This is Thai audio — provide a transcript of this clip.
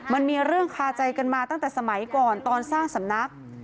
มันมีเรื่องคาใจกันมาตั้งแต่สมัยก่อนตอนสร้างสำนัก